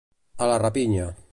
A la rapinya.